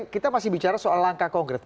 kita masih bicara soal langkah konkret